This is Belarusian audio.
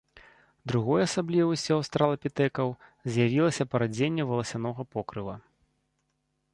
Другой асаблівасцю аўстралапітэкаў з'явілася парадзенне валасянога покрыва.